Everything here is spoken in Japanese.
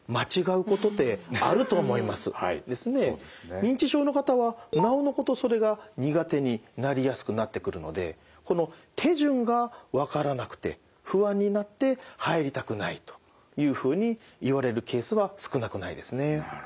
認知症の方はなおのことそれが苦手になりやすくなってくるのでこの手順がわからなくて不安になって入りたくないというふうに言われるケースは少なくないですね。